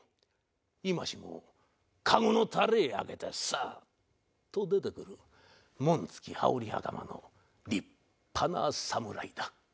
今しもかごの垂れ上げてスーッと出てくる紋付き羽織はかまの立派な侍だ。